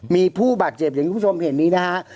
มีผู้บาดเจ็บอย่างที่คุณผู้ชมเห็นนี้นะฮะ